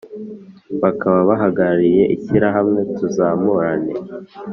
bakaba bahagarariye ishyirahamwe tuzamurane